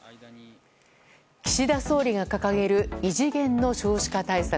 岸田総理が掲げる異次元の少子化対策。